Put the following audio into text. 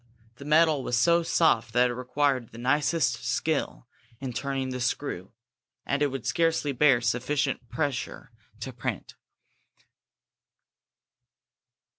The metal was so soft that it required the nicest skill in turning the screw, as it would scarcely bear sufficient pressure to print.